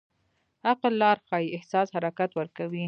عقل لار ښيي، احساس حرکت ورکوي.